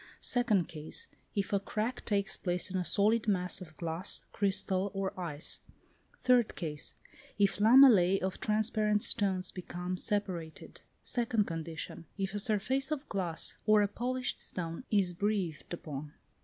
Second case: if a crack takes place in a solid mass of glass, chrystal, or ice. Third case: if lamellæ of transparent stones become separated. Second condition. If a surface of glass or a polished stone is breathed upon.